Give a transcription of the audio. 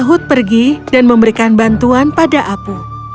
luhut pergi dan memberikan bantuan pada apu